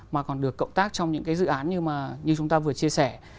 mà còn được cộng tác trong những dự án như chúng ta vừa chia sẻ